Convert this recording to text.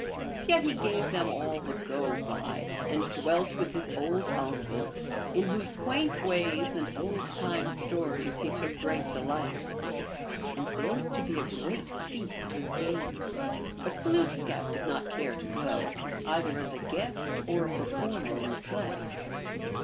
Yet he gave them all the go by, and dwelt with his old uncle, in whose quaint ways and old time stories he took great delight. And there was to be a great feast with games, but Glooskap did not care to go,. either as a guest or a performer in the play.